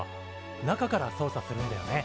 中から操作するんだよね。